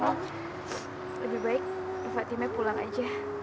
lebih baik fatime pulang aja